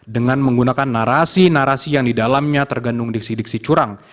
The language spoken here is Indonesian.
dengan menggunakan narasi narasi yang didalamnya tergantung diksi diksi curang